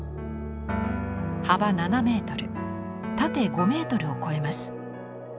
幅７ｍ縦５ｍを超えます。